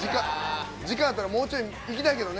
時間あったら、もうちょいいきたいけどね。